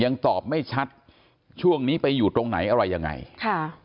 ยังตอบไม่ชัดช่วงนี้ไปอยู่ตรงไหนอะไรยังไงค่ะ